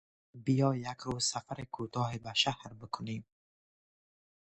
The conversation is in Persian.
بیا یکروزه سفر کوتاهی به شهر بکنیم.